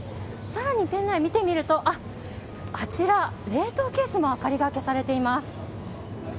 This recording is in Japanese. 更に店内を見てみると冷凍ケースも明かりが消されています。